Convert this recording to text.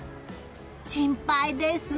心配です。